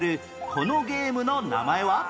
このゲームの名前は？